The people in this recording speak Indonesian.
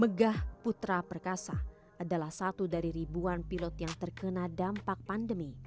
megah putra perkasa adalah satu dari ribuan pilot yang terkena dampak pandemi